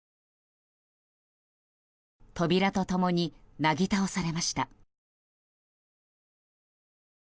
扉と共になぎ倒されました。